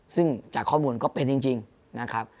ซึ่งจากข้อมูลก็เป็นจริงนะครับ